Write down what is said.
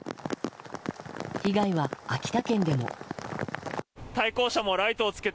被害は秋田県でも。